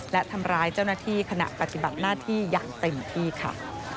และทำร้ายเจ้าหน้าที่ขณะปฏิบัติหน้าที่อย่างเต็มที่ค่ะ